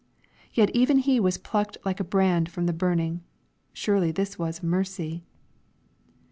Yet even he was plucked like a brand from the burning. Surely this was *' mercy."